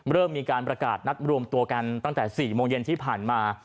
เริ่มมีการประกาศนัดรวมตัวกันตั้งแต่๔โมงเย็นที่ผ่านมา